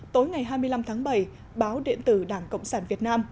tối ngày hai mươi năm tháng bảy báo điện tử đảng cộng sản việt nam